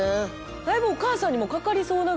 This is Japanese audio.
だいぶお母さんにもかかりそうなぐらい。